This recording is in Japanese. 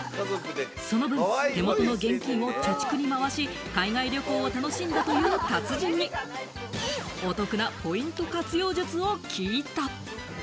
その分、手元の現金を貯蓄に回し、海外旅行を楽しんだという達人にお得なポイント活用術を聞いた。